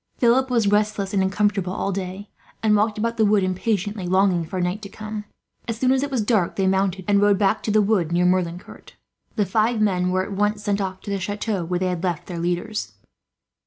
Philip was restless and uncomfortable all day, and walked about the wood, impatiently longing for night to come. As soon as it was dark they mounted, and rode back to the wood near Merlincourt. The five men were at once sent off to the chateau where they had left their leaders.